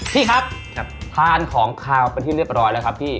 พี่ครับทานของขาวเป็นที่เรียบร้อยแล้วครับพี่